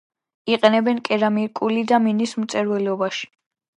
იყენებენ კერამიკულ და მინის მრეწველობაში.